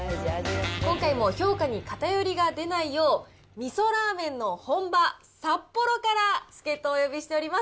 今回も評価に偏りが出ないよう、味噌ラーメンの本場、札幌から助っとをお呼びしております。